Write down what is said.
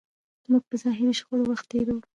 موږ په ظاهري شخړو وخت تېروو.